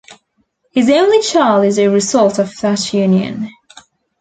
His only child is a result of that union.